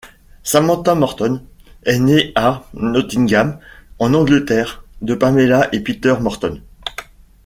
Samantha Morton est née à Nottingham, en Angleterre, de Pamela et Peter Morton.